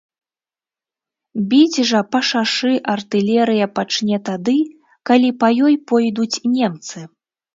Біць жа па шашы артылерыя пачне тады, калі па ёй пойдуць немцы.